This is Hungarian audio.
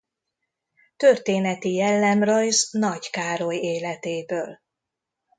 Történeti jellemrajz Nagy Károly életéből.